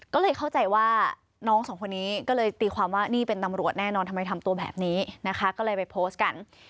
ก็เลยเข้าใจว่าน้องสองคนนี้ก็เลยตีความว่านี่เป็นตำรวจแน่นอนทำไมทำตัวแบบนี้นะคะก็เลยไปโพสต์กัน